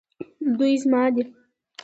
دوی زما دي